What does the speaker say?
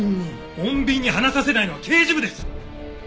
穏便に話させないのは刑事部です！